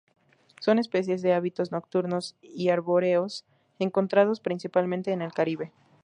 Son especies de hábitos nocturnos y arbóreos, encontrados principalmente en el Caribe.